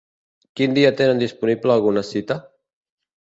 Quin dia tenen disponible alguna cita?